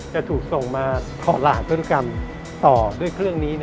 จะถูกส่งมาถอดรหัสพันธุกรรมต่อด้วยเครื่องนี้